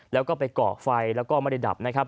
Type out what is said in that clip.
แล้วก็ไปเกาะไฟแล้วก็ไม่ได้ดับนะครับ